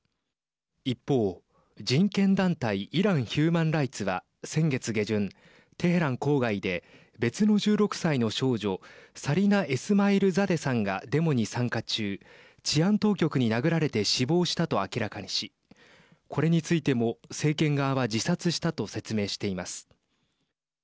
一方、人権団体イラン・ヒューマン・ライツは先月下旬テヘラン郊外で別の１６歳の少女サリナ・エスマイルザデさんがデモに参加中治安当局に殴られて死亡したと明らかにしこれについても政権側は自殺したと説明しています。